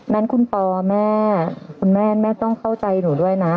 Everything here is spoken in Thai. นั้นคุณปอแม่คุณแม่แม่ต้องเข้าใจหนูด้วยนะ